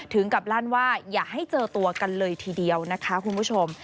ถึงกับลั่นว่าอย่าให้เจอตัวกันเลยทีเดียวนะคะคุณผู้ชม